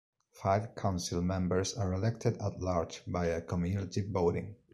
Five council members are elected at-large via cumulative voting.